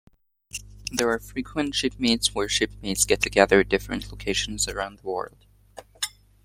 There are frequent "Shipmeets" where shipmates get together at different locations around the world.